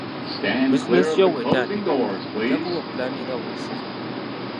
Bizinensi yo bw’etandika, ojja kuba opulaaninga buli sizoni.